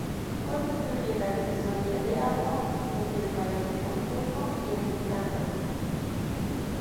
Constituye la divisoria de aguas entre el valle del Volturno y el del Sangro.